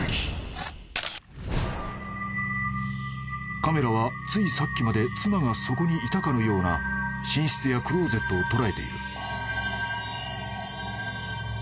［カメラはついさっきまで妻がそこにいたかのような寝室やクローゼットを捉えている］